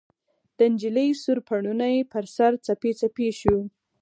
د نجلۍ سور پوړني ، پر سر، څپې څپې شو